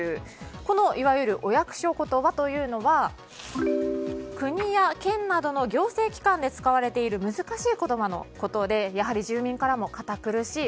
このいわゆるお役所言葉というのは国や県などの行政機関で使われている難しい言葉のことで住民からも堅苦しい。